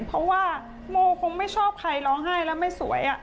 เพราะว่าโมคงไม่ชอบใครร้องไห้แล้วไม่สวย